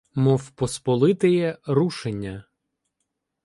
Мов посполитеє рушення